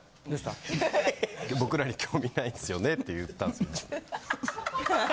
僕らに興味ないんですよねって言ったんです。